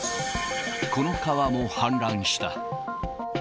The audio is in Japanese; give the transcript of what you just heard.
この川も氾濫した。